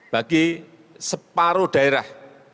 bagi separuh daerah